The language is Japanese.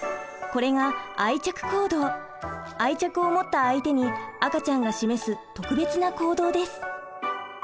これが愛着を持った相手に赤ちゃんが示す特別な行動です。